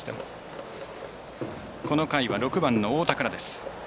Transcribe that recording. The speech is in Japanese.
この回は６番の太田から。